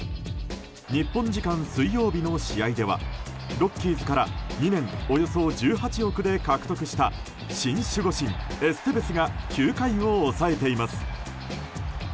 日本時間、水曜日の試合ではロッキーズから２年、およそ１８億で獲得した新守護神、エステベスが９回を抑えています。